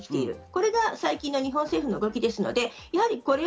これが最近の日本政府の動きです。